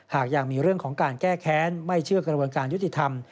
หากยังมีเรื่องของการแก้แค้นไม่เชื่อกระบวนการยุติธรรม